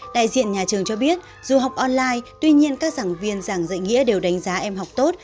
đại diện nhà trường cho biết dù học online tuy nhiên các giảng viên giảng dạy nghĩa đều đánh giá em học tốt